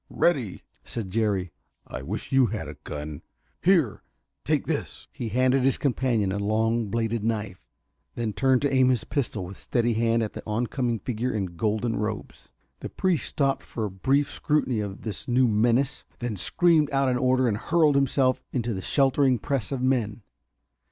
"Ready!" said Jerry. "I wish you had a gun! Here! Take this!" He handed his companion a long bladed knife, then turned to aim his pistol with steady hand at the oncoming figure in golden robes. The priest stopped for a brief scrutiny of this new menace, then screamed out an order and hurled himself into the sheltering press of men.